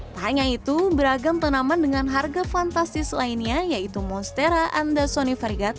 tak hanya itu beragam tanaman dengan harga fantastis lainnya yaitu monstera anda sony fondant